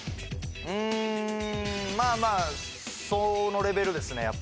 まあまあそのレベルですね